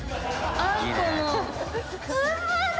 あんこも！